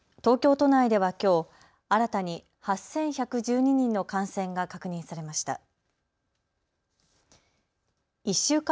東京都内ではきょう新たに８１１２人の感染が確認されました。